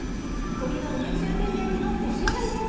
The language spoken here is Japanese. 「鶏の梅つゆ照り焼き」の出来上がりです！